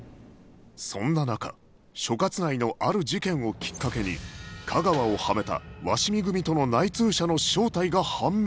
そんな中所轄内のある事件をきっかけに架川をはめた鷲見組との内通者の正体が判明